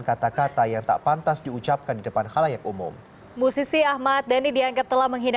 kata kata yang tak pantas diucapkan di depan halayak umum musisi ahmad dhani dianggap telah menghina